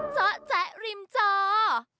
เจ้าแจ๊กริมเจ้า